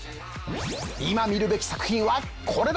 今見るべき作品はこれだ！